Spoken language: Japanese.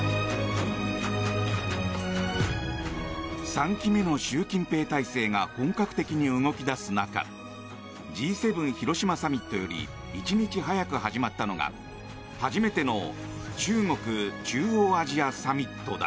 ３期目の習近平体制が本格的に動き出す中Ｇ７広島サミットより１日早く始まったのが初めての中国・中央アジアサミットだ。